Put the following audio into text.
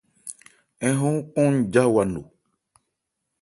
Ń hɔn nkɔn ja wa no.